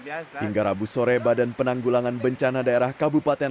hingga rabu sore badan penanggulangan bencana daerah kabupaten